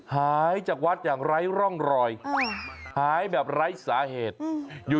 หายจากวัดอย่างไร้ร่องรอยหายแบบไร้สาเหตุอยู่